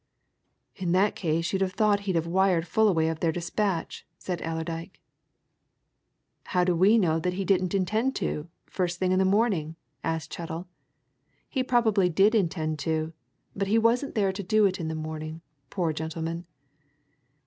"In that case you'd have thought he'd have wired Fullaway of their dispatch," said Allerdyke. "How do we know that he didn't intend to, first thing in the morning?" asked Chettle. "He probably did intend to but he wasn't there to do it in the morning, poor gentleman!